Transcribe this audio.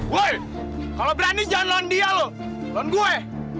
woy kalau berani jangan lawan dia lo lawan gue